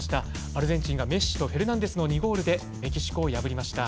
アルゼンチンがメッシとフェルナンデスの２ゴールでメキシコを破りました。